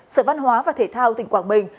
sở văn hóa và thể thao tỉnh quảng bình